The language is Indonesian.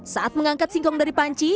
saat mengangkat singkong dari panci